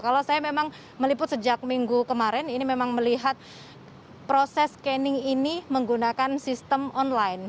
kalau saya memang meliput sejak minggu kemarin ini memang melihat proses scanning ini menggunakan sistem online